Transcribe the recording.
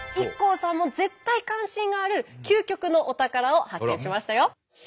ＩＫＫＯさんも絶対関心がある究極のお宝を発見しましたよ。